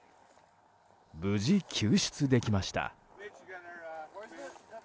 無事、救出できました。